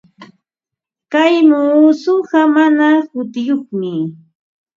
Kay muusuqa mana hutiyuqmi.